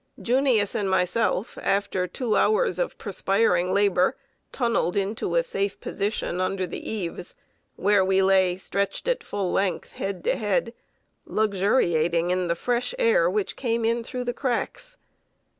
"Junius" and myself, after two hours of perspiring labor, tunneled into a safe position under the eaves, where we lay, stretched at full length, head to head, luxuriating in the fresh air, which came in through the cracks.